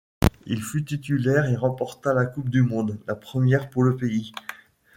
Il fut titulaire et remporta la Coupe du monde, la première pour le pays.